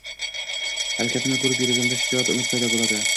harakatini koʻrib, yuragimda shijoat, umid paydo boʻldi